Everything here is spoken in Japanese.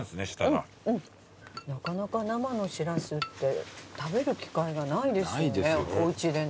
なかなか生のしらすって食べる機会がないですよね